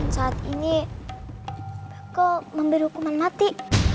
saat ini kok memberi hukuman mati